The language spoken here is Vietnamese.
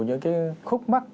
những cái khúc mắt